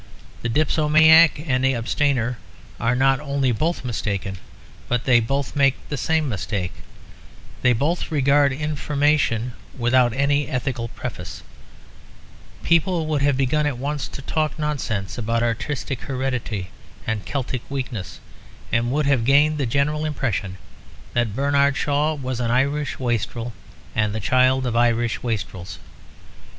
The dipsomaniac and the abstainer are not only both mistaken, but they both make the same mistake. They both regard wine as a drug and not as a drink. But if I had mentioned that fragment of family information without any ethical preface, people would have begun at once to talk nonsense about artistic heredity and Celtic weakness, and would have gained the general impression that Bernard Shaw was an Irish wastrel and the child of Irish wastrels.